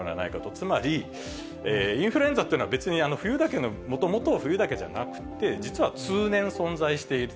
つまり、インフルエンザというのは別に冬だけの、もともと冬だけじゃなくて、実は通年、存在している。